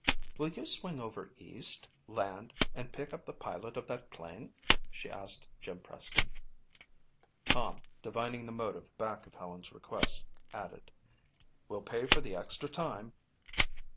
"Will you swing over east, land and pick up the pilot of that plane?" she asked Jim Preston. Tom, divining the motive back of Helen's request, added, "We'll pay for the extra time."